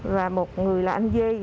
và một người là anh duy